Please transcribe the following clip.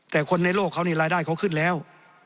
แต่คนในโลกเขานี่รายได้เขาขึ้นแล้ว